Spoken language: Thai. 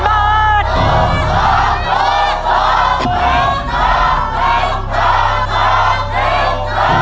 สองแสน